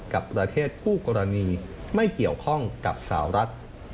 กับประเทศคู่กรณีไม่เกี่ยวข้องกับสาวรัฐ